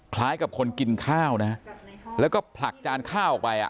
คล้ายกับคนกินข้าวนะแล้วก็ผลักจานข้าวออกไปอ่ะ